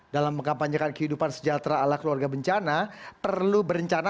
dalam mengkampanyekan kehidupan sejahtera ala keluarga bencana perlu berencana